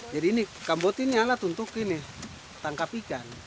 jadi ini kamboti ini alat untuk tangkap ikan